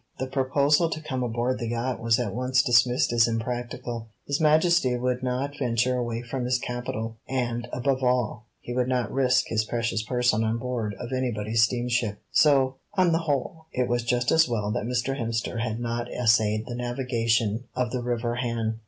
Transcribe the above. The proposal to come aboard the yacht was at once dismissed as impracticable. His Majesty would not venture away from his capital, and, above all, he would not risk his precious person on board of anybody's steamship, so, on the whole, it was just as well that Mr. Hemster had not essayed the navigation of the river Han.